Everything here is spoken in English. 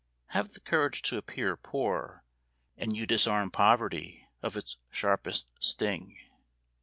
Have the courage to appear poor, and you disarm poverty of its sharpest sting."